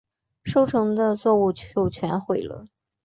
收成的作物就全毁了